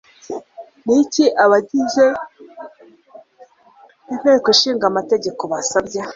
Niki Abagize Inteko shinga mategeko Basabye